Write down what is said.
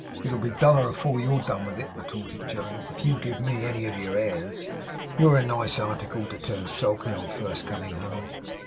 'It'll be duller before you're done with it,' retorted Jonas, 'if you give me any of your airs. You're a nice article, to turn sulky on first coming home!